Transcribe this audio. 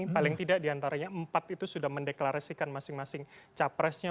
paling tidak diantaranya empat itu sudah mendeklarasikan masing masing capresnya